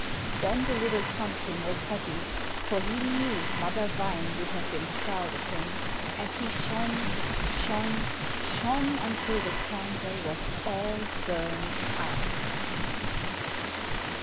Then the little pumpkin was happy, for he knew Mother Vine would have been proud of him, and he shone shone SHONE, until the candle was all burned out.